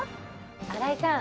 新井さん